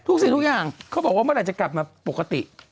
สิ่งทุกอย่างเขาบอกว่าเมื่อไหร่จะกลับมาปกติ